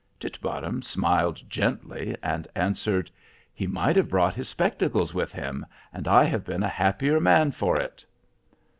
Titbottom smiled gently, and answered: "He might have brought his spectacles with him, and I have been a happier man for it."